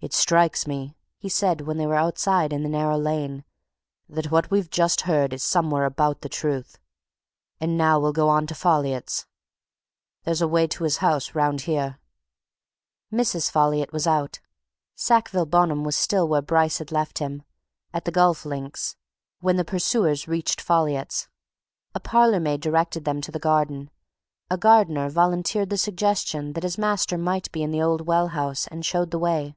"It strikes me," he said, when they were outside in the narrow lane, "that what we've just heard is somewhere about the truth. And now we'll go on to Folliot's there's a way to his house round here." Mrs. Folliot was out, Sackville Bonham was still where Bryce had left him, at the golf links, when the pursuers reached Folliot's. A parlourmaid directed them to the garden; a gardener volunteered the suggestion that his master might be in the old well house and showed the way.